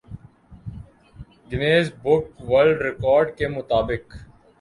Guinness book world record کے مطابق